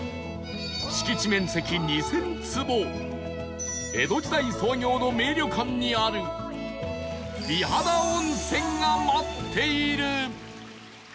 敷地面積２０００坪江戸時代創業の名旅館にある美肌温泉が待っている